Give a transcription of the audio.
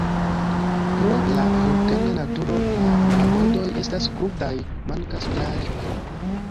Pro la vulkana naturo la marbordoj estas krutaj, mankas plaĝoj.